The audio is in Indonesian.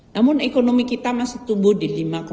namun ekonomi kita masih tumbuh di lima empat